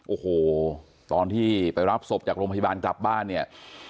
โอ้โหตอนที่ไปรับศพจากโรงพยาบาลกลับบ้านเนี่ย